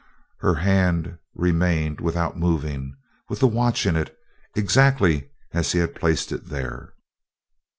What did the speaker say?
Her hand remained without moving, with the watch in it exactly as he had placed it there.